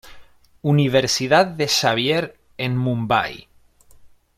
Universidad de Xavier en Mumbai.